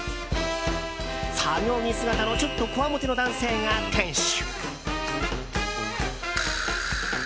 作業着姿のちょっとこわもての男性が店主。